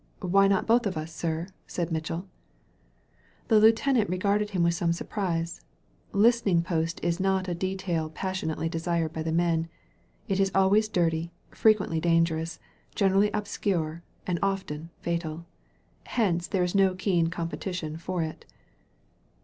"Why not both of us, sir?" said Mitchell. The lieutenant regarded him with some surprise. Listening post is not a detail passionately desired by the men. It is always dirty, frequently dan gerous, generally obscure, and often fatal. Hence there is no keen competition for it.